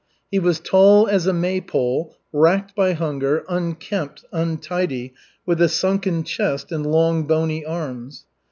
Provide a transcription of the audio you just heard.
He was tall as a Maypole, racked by hunger, unkempt, untidy, with a sunken chest and long bony arms.